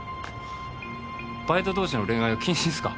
バイト同士の恋愛は禁止っすか？